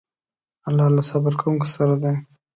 الله له صبر کوونکو سره دی.